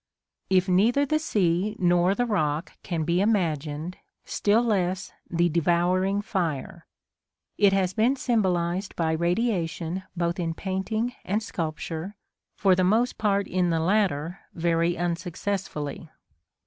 If neither the sea nor the rock can be imagined, still less the devouring fire. It has been symbolised by radiation both in painting and sculpture, for the most part in the latter very unsuccessfully.